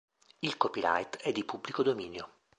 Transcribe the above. Il copyright è di pubblico dominio.